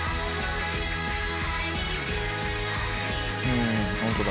うん本当だ